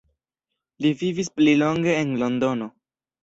Li vivis pli longe en Londono.